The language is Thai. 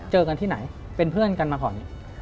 เจอกันที่ไหนเป็นเพื่อนกันมาก่อนเนี่ย